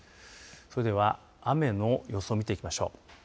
それでは雨の予想を見ていきましょう。